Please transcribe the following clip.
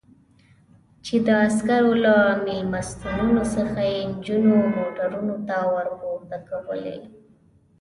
چې د عسکرو له مېلمستونونو څخه یې نجونې موټرونو ته ور پورته کولې.